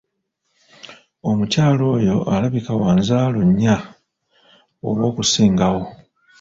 Omukyala oyo alabika wa nzaalo nnya oba okusingawo.